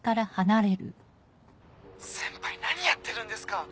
先輩何やってるんですか！